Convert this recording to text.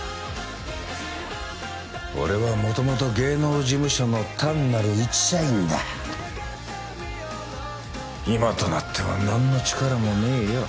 俺は元々芸能事務所の単なる一社員だ今となっては何の力もねえよ